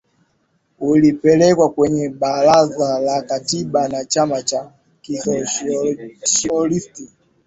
ulipelekwa kwenye baraza la katiba na chama cha kisociolist